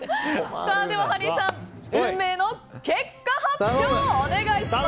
では、ハリーさん運命の結果発表をお願いします。